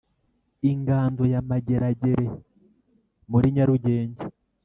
Ingando ya Mageragere muri Nyarugenge